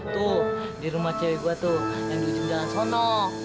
tuh di rumah cewek gue tuh yang di ujung jalan sono